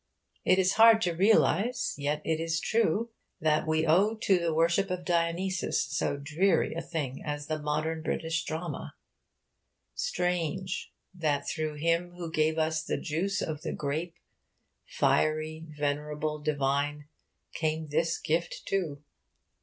It is hard to realise, yet it is true, that we owe to the worship of Dionysus so dreary a thing as the modern British drama. Strange that through him who gave us the juice of the grape, 'fiery, venerable, divine,' came this gift too!